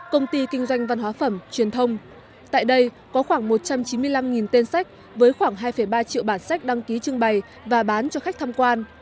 công ty kinh doanh văn hóa phẩm truyền thông tại đây có khoảng một trăm chín mươi năm tên sách với khoảng hai ba triệu bản sách đăng ký trưng bày và bán cho khách tham quan